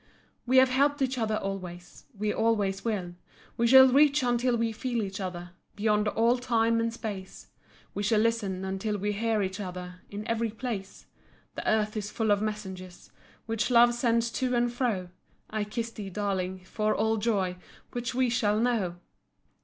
We have helped each other always, We always will. We shall reach until we feel each other, Beyond all time and space; We shall listen until we hear each other In every place; The earth is full of messengers Which love sends to and fro; I kiss thee, darling, for all joy Which we shall know!